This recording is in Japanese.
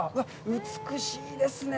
美しいですね。